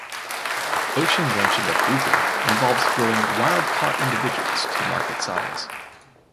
Ocean ranching of grouper involves growing wild caught individuals to market size.